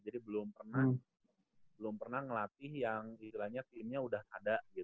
jadi belum pernah belum pernah ngelatih yang istilahnya timnya udah ada gitu